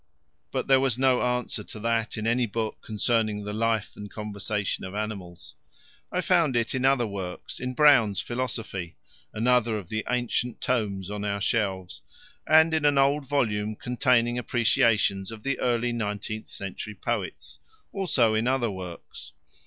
But there was no answer to that in any book concerning the "life and conversation of animals." I found it in other works: in Brown's Philosophy another of the ancient tomes on our shelves and in an old volume containing appreciations of the early nineteenth century poets; also in other works.